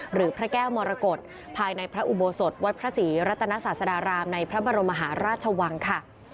พระแก้วมรกฏภายในพระอุโบสถวัดพระศรีรัตนศาสดารามในพระบรมมหาราชวังค่ะ